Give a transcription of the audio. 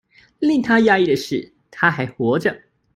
令他訝異的是她還活著